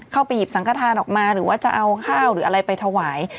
ไปหยิบสังกฐานออกมาหรือว่าจะเอาข้าวหรืออะไรไปถวาย